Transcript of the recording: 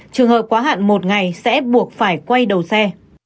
trường hợp quá hạn một ngày sẽ buộc phải quay đầu xe